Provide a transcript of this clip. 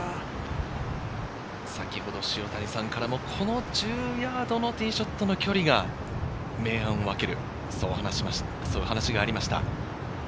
先ほど塩谷さんからもこの１０ヤードのティーショットの距離が明暗を分ける、そう話がありました。